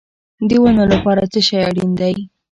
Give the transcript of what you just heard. د ونو لپاره څه شی اړین دی؟